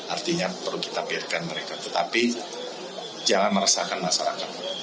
artinya perlu kita biarkan mereka tetapi jangan meresahkan masyarakat